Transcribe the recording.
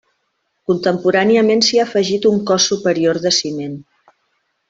Contemporàniament s'hi ha afegit un cos superior de ciment.